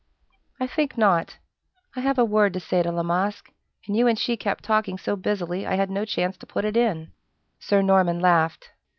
"I think not. I have a word to say to La Masque, and you and she kept talking so busily, I had no chance to put it in." Sir Norman laughed.